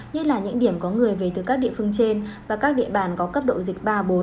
nhất là những điểm có người về từ các địa phương trên và các địa bàn có cấp độ dịch ba bốn